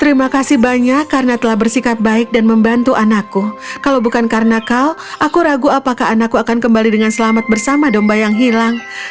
terima kasih banyak karena telah bersikap baik dan membantu anakku kalau bukan karena kau aku ragu apakah anakku akan kembali dengan selamat bersama domba yang hilang